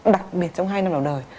đặc biệt trong hai năm đầu đời